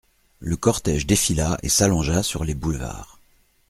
Le cortége défila et s'allongea sur les boulevards.